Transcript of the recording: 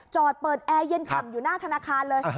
จอดเปิดแอร์เย็นฉ่ำอยู่หน้าธนาคารเลย